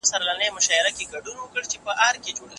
دروني ارامي د ارادې ځواک دی.